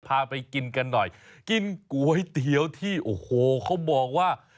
พาไปกินกันหน่อยกินก๋วยเตี๋ยวที่โอ้โหเขาบอกว่า